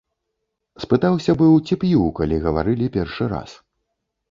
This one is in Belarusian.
Спытаўся быў, ці п'ю, калі гаварылі першы раз.